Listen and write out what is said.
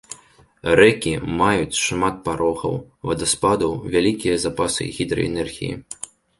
Рэкі маюць шмат парогаў, вадаспадаў, вялікія запасы гідраэнергіі.